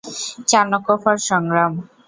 Chanakya for সংগ্রাম।